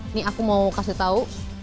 ini aku mau kasih tahu